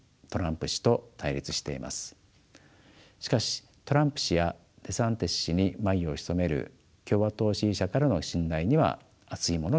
しかしトランプ氏やデサンティス氏に眉をひそめる共和党支持者からの信頼には厚いものがあります。